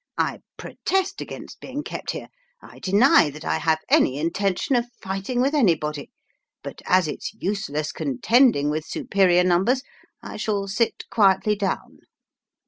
" I protest against being kept here. I deny that I have any intention of fighting with anybody. But as it's useless contending with superior numbers, I shall sit quietly down."